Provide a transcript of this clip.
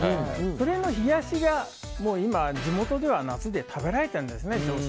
それの冷やしが今、地元では夏に食べられてるんですね。